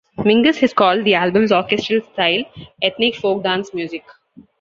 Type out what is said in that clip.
Mingus has called the album's orchestral style "ethnic folk-dance music".